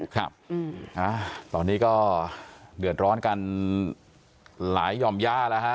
ครับตอนนี้ก็เดือดร้อนกันหลายหย่อมย่าแล้วฮะ